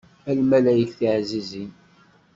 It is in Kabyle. A lmalayek tiɛzizin.